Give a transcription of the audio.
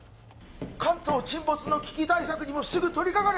関東沈没の危機対策にもすぐ取りかかれ